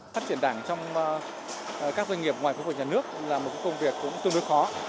phát triển đảng trong các doanh nghiệp ngoài khu vực nhà nước là một công việc cũng tương đối khó